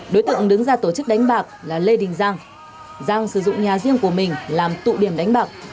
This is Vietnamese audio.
đối tượng đứng ra tổ chức đánh bạc là lê đình giang giang sử dụng nhà riêng của mình làm tụ điểm đánh bạc